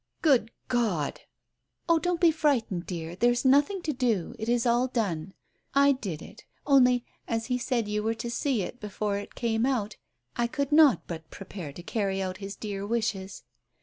"Good God!" "Oh, don't be frightened, dear, there is nothing to do, Digitized by Google 88 TALES OF THE UNEASY it is all done. I did it, only, as he said you were to see it, before it came out, I could not but prepare to carry out his dear wishes.